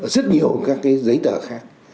rất nhiều các giấy tờ khác